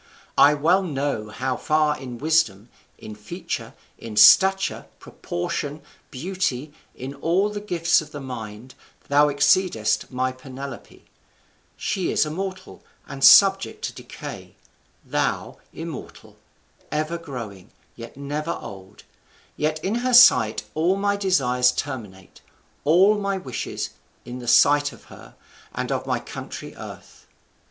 I well know how far in wisdom, in feature, in stature, proportion, beauty, in all the gifts of the mind, thou exceedest my Penelope: she is a mortal, and subject to decay; thou immortal, ever growing, yet never old; yet in her sight all my desires terminate, all my wishes in the sight of her, and of my country earth.